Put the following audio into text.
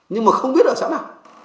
nhưng mà không biết ở xã nào